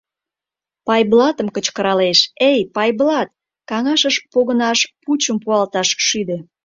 — Пайблатым кычкыралеш: — Эй, Пайблат, каҥашыш погынаш пучым пуалташ шӱдӧ!